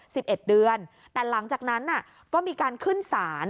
สิบเอ็ดเดือนแต่หลังจากนั้นน่ะก็มีการขึ้นศาล